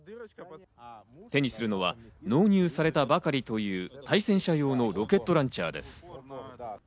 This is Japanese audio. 手にするのは納入されたばかりという対戦車用のロケットランチャーです。